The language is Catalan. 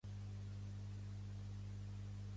Està aquest lloc tancat a causa del xarampió?